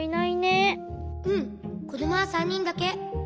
うんこどもは３にんだけ。